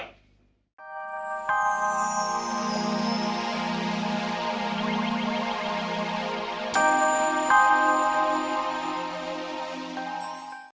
terima kasih ibu